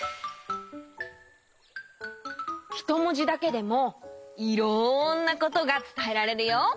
ひともじだけでもいろんなことがつたえられるよ。